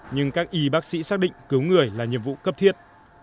nhưng các y bác sĩ xác định cứu người là nhiệm vụ cấp thiết